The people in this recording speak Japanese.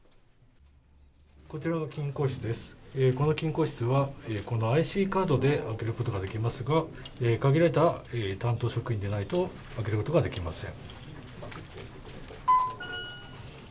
こちらの金庫室はＩＣカードで開けることができますが、限られた担当職員でないと開けることができません。